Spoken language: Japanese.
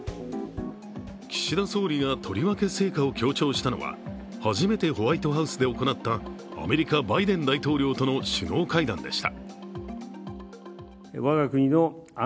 岸田総理がとりわけ成果を強調したのは初めてホワイトハウスで行ったアメリカ・バイデン大統領との首脳会談でした。